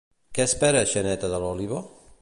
Què espera Xaneta de l'òliba?